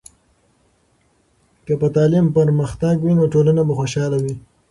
که په تعلیم کې پرمختګ وي، نو ټولنه به خوشحاله وي.